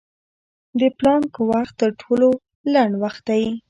د پلانک وخت تر ټولو لنډ وخت دی.